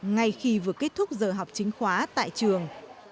ngay khi vừa kết thúc giờ học chính khóa tại trường